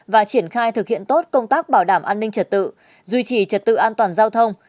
và triển khai thực hiện tốt công tác bảo đảm an ninh trật tự duy trì trật tự an toàn giao thông